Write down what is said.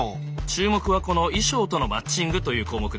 注目はこの「衣装とのマッチング」という項目です。